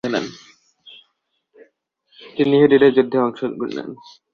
তিনি উহুদের যুদ্ধেও অংশ নেন।